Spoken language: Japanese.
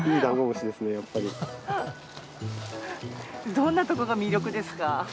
どんなとこが魅力ですか？